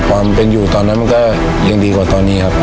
ความเป็นอยู่ตอนนั้นมันก็ยังดีกว่าตอนนี้ครับ